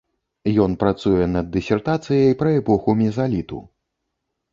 Ён працуе над дысертацыяй пра эпоху мезаліту.